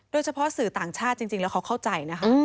โดยเฉพาะสื่อต่างชาติจริงแล้วเขาเข้าใจนะครับ